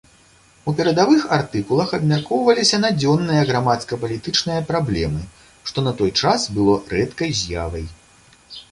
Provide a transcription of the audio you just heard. У перадавых артыкулах абмяркоўваліся надзённыя грамадска-палітычныя праблемы, што на той час было рэдкай з'явай.